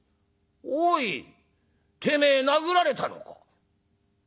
おいてめえ殴られたのか？」。